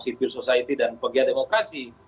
civil society dan pegiat demokrasi